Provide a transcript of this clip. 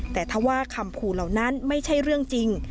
แต่ถ้าว่าคำขู่เหล่านั้นไม่ใช่เรื่องจริง